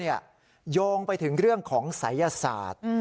โยงไปถึงเรื่องของศัยศาสตร์